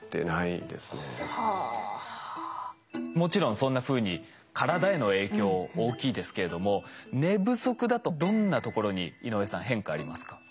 もちろんそんなふうに体への影響大きいですけれども寝不足だとどんなところに井上さん変化ありますか？